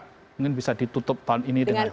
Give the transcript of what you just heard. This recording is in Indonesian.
mungkin bisa ditutup tahun ini dengan baik